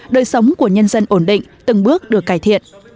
đời sống của nhân dân ổn định từng bước được cải thiện